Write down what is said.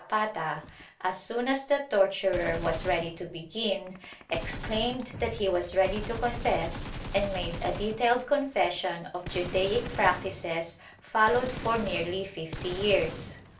30 TORTURE [Book VI Zapata, as soon as the torturer was ready to begin, exclaimed that he was ready to confess, and made a detailed confession of Judaic practices followed for nearly fifty years.